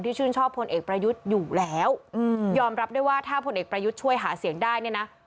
ที่ชื่นชอบพลเอกประยุทธอยู่แล้วยอมรับได้ว่าถ้าพลเอกประยุทธช่วยหาเสียงได้